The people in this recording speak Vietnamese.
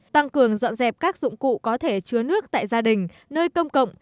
tăng cường dọn dẹp các dụng cụ có thể chứa nước tại gia đình nơi công cộng